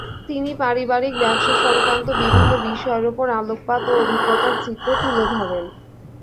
তিনি পারিবারিক ব্যবসাসংক্রান্ত বিভিন্ন বিষয়ের ওপর আলোকপাত ও অভিজ্ঞতার চিত্র তুলে ধরেন।